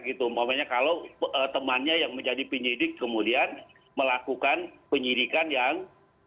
umpamanya kalau temannya yang menjadi penyidik kemudian melakukan penyidikan yang